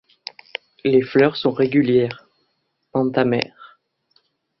Les fleurs sont régulières, pentamères.